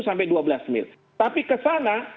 sampai dua belas mil tapi ke sana